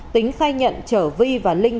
tính sai nhận chở vi và linh